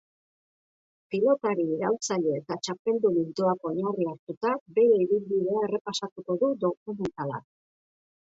Pilotari iraultzaile eta txapeldun ildoak oinarri hartuta, bere ibilbidea errepasatuko du dokumentalak.